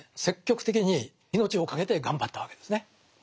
積極的に命をかけて頑張ったわけですね。